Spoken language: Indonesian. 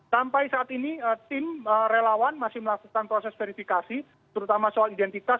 sampai saat ini tim relawan masih melakukan proses verifikasi terutama soal identitas